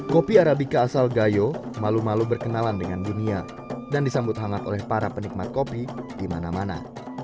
kopi arabica asal gayo malu malu berkenalan dengan dunia dan disambut hangat oleh para penikmat kopi di mana mana